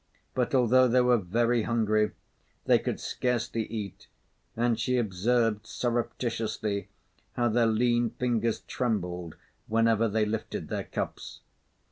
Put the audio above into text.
But although they were very hungry, they could scarcely eat, and she observed surreptitiously how their lean fingers trembled whenever they lifted their cups.